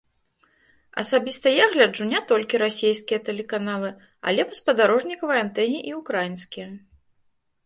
Асабіста я гляджу не толькі расейскія тэлеканалы, але па спадарожнікавай антэне і ўкраінскія.